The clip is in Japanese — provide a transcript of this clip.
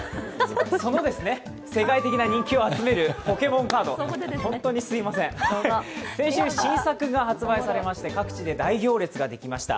世界的な人気を集めるポケモンカード、先週、新作が発売されまして各地で大行列ができました。